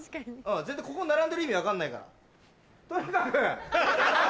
全然ここに並んでる意味分かんないから。